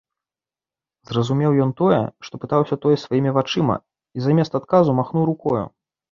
Зразумеў ён тое, што пытаўся той сваімі вачыма, і замест адказу махнуў рукою.